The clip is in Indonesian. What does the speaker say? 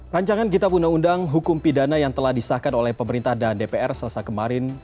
rancangan kitab undang undang hukum pidana yang telah disahkan oleh pemerintah dan dpr selesai kemarin